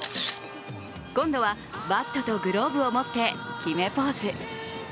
今度はバットとグローブを持って決めポーズ。